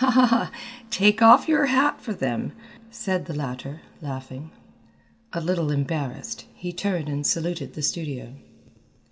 "Take off your hat for them," said the latter, laughing. A little embarrassed, he turned and saluted the studio.